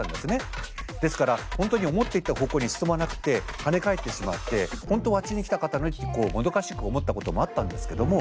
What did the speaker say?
ですから本当に思っていた方向に進まなくて跳ね返ってしまって本当はあっちに行きたかったのにってこうもどかしく思ったこともあったんですけども。